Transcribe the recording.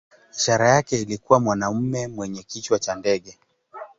Ishara yake ilikuwa mwanamume mwenye kichwa cha ndege.